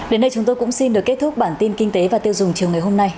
đến đây chúng tôi cũng xin được kết thúc bản tin kinh tế và tiêu dùng chiều ngày hôm nay